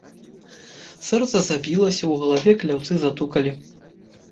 Сэрца забілася, у галаве кляўцы затукалі.